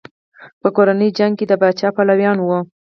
په کورنۍ جګړه کې د پاچا پلویان وو.